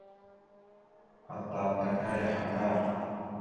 Atal taka yaha ŋgar.